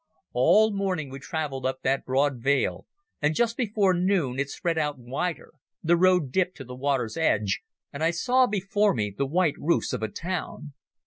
All morning we travelled up that broad vale, and just before noon it spread out wider, the road dipped to the water's edge, and I saw before me the white roofs of a town.